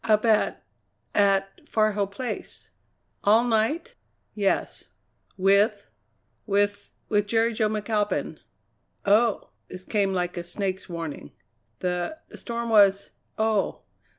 "Up at at Far Hill Place." "All night?" "Yes." "With " "With with Jerry Jo McAlpin." "Oh!" This came like a snake's warning. "The the storm was oh!